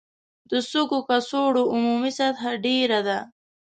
د سږو کڅوړو عمومي سطحه ډېره ده.